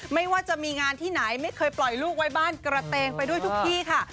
ไม่ว่าจะมีงานที่ไหนไม่เคยปล่อยลูกไว้บ้านกระเตงไปด้วยทุกที่ค่ะ